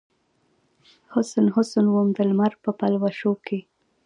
حسن ، حسن وم دلمر په پلوشو کې